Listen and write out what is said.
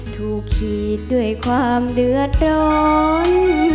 ขีดด้วยความเดือดร้อน